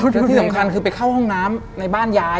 แล้วที่สำคัญคือไปเข้าห้องน้ำในบ้านยาย